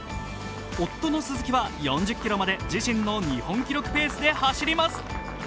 夫の鈴木は４０ｋｍまで自身の日本記録ペースで走ります。